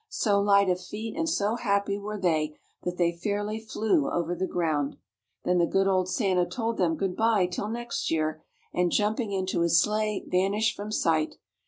So light of feet and so happy were they that they fairly flew over the ground. Then the good old Santa told them good by till next year, and jumping into his sleigh, vanished from sight.